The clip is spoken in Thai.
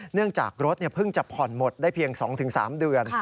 เนื่องจากรถเพิ่งจะผ่อนหมดได้เพียง๒๓เดือน